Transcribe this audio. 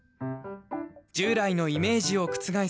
従来のイメージを覆す